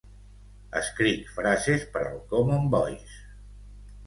Escric frases per al Common Voice.